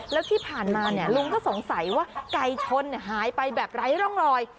แล้วที่ผ่านมาลุงก็สงสัยว่าไก่ชนหายไปแบบไร้ร่องรอย